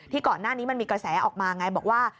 ก่อนหน้านี้มันมีกระแสออกมาไงบอกว่า